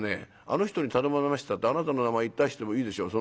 『あの人に頼まれました』ってあなたの名前出してもいいでしょう。